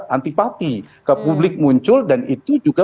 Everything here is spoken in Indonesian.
antipati ke publik muncul dan itu juga